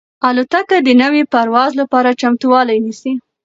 الوتکه د نوي پرواز لپاره چمتووالی نیسي.